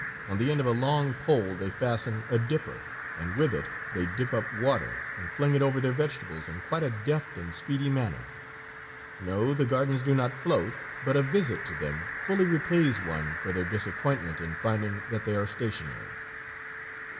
On the end of a long pole they fasten a dipper, and with it they dip up water and fling it over their vegetables in quite a deft and speedy manner. No, the gardens do not float, but a visit to them fully repays one for their disappointment in finding that they are stationary.